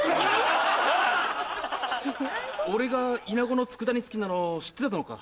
俺がイナゴのつくだ煮好きなの知ってたのか？